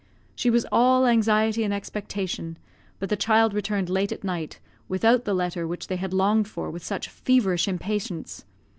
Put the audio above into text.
She was all anxiety and expectation, but the child returned late at night without the letter which they had longed for with such feverish impatience.